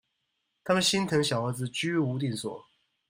他們心疼小兒子居無定所